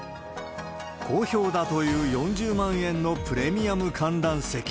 好評だという４０万円のプレミアム観覧席。